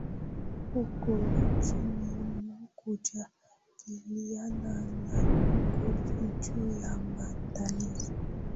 ukiwa nchini humo kujadiliana na viongozi juu ya maandalizi